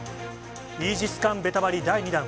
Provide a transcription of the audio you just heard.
イージス艦ベタバリ第２弾。